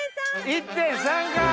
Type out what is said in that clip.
１．３か！